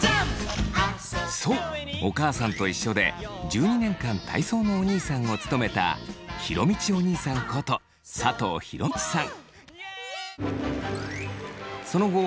そう「おかあさんといっしょ」で１２年間体操のおにいさんを務めた弘道おにいさんこと佐藤弘道さん。